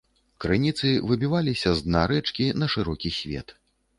Крыніцы выбіваліся з дна рэчкі на шырокі свет.